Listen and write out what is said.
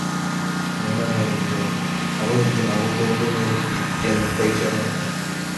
Memagenkiy cho. Agoi nguno kotomkonyor kiy eng' paisyonotok.